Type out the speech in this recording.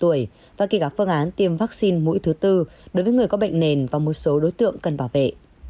thông kê trên cổng thông tin tiêm chủng covid một mươi chín tổng số liều vaccine mỗi bốn đối với người có bệnh nền cũng như nhóm đối tượng cần bảo vệ